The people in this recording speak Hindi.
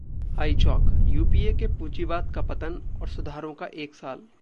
iChowk: 'यूपीए के पूंजीवाद का पतन और सुधारों का एक साल'